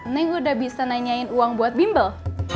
neng udah bisa nanyain uang buat bimbel